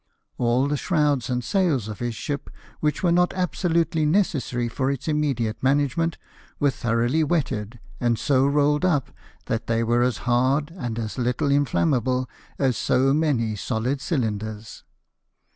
All the shrouds and sails of his ship which were not absolutely necessary for its immediate management, were thoroughly wetted, and so rolled up that they were as hard and as little inflammable as so many solid cylinders.